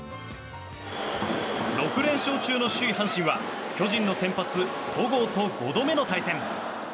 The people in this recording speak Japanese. ６連勝中の首位、阪神は巨人の先発、戸郷と５度目の対戦。